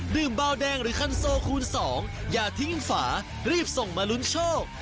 เบาแดงหรือคันโซคูณ๒อย่าทิ้งฝารีบส่งมาลุ้นโชค